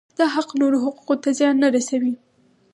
دا حق نورو حقوقو ته زیان نه رسوي.